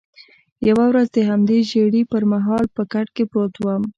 یوه ورځ د همدې ژېړي پر مهال په کټ کې پروت وم.